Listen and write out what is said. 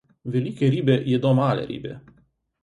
Velike ribe jedo malo ribe.